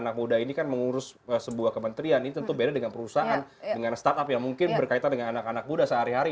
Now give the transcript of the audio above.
anak muda ini kan mengurus sebuah kementerian ini tentu beda dengan perusahaan dengan startup yang mungkin berkaitan dengan anak anak muda sehari hari